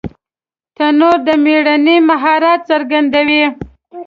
تنور د مېرمنې مهارت څرګندوي